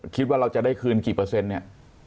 คิดว่าเราจะได้คืนกี่เปอร์เซ็นต์เนี่ย